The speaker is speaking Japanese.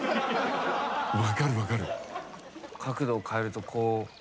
分かる、分かる。